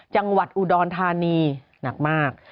จังหวัดอุดรธานีหนักมาก